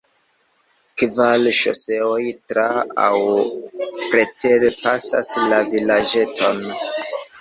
Kvar ŝoseoj tra- aŭ preter-pasas la vilaĝeton.